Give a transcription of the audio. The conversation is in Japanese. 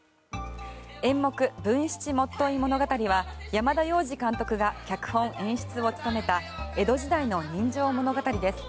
演目「文七元結物語」は山田洋次監督が脚本・演出を務めた江戸時代の人情物語です。